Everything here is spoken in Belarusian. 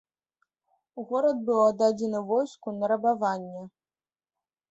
Горад быў аддадзены войску на рабаванне.